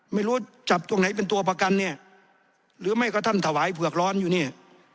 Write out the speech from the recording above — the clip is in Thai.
ไม่รู้จับตรงไหนเป็นตัวประกันเนี่ยหรือไม่ก็ท่านถวายเผือกร้อนอยู่เนี่ย